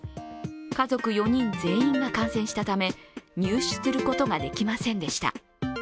家族４人全員が感染したため入手することができませんでした。